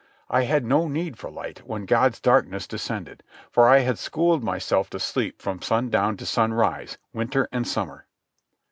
I had no need for light when God's darkness descended, for I had schooled myself to sleep from sundown to sunrise, winter and summer.